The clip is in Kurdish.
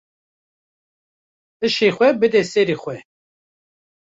Hişê xwe bide serê xwe.